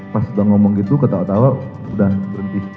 pas udah ngomong gitu ketawa tawa udah berhenti